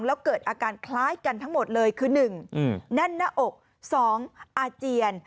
แล้วเกิดอาการคล้ายกันทั้งหมดเลยคือ๑แน่นหน้าอก๒อาเจียน